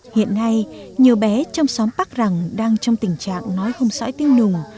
hiện nay nhiều bé trong xóm bắc rằng đang trong tình trạng nói không sõi tiếng nùng